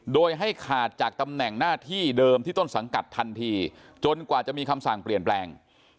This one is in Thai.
โดยให้ขาดจากตำแหน่งหน้าที่เดิมที่ต้นสังกัดทันทีจนกว่าจะมีคำสั่งเปลี่ยนแปลง